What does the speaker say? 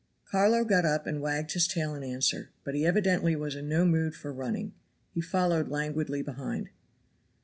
Carlo got up and wagged his tail in answer, but he evidently was in no mood for running; he followed languidly behind.